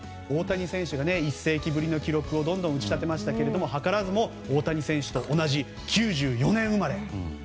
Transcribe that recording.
大谷選手が１世紀ぶりの記録をどんどん打ち立てましたがはからずも大谷選手と同じ９４年生まれ。